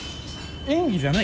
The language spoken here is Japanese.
演技じゃない？